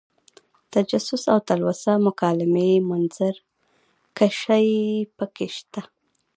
تجسس او تلوسه مکالمې منظر کشۍ پکې شته.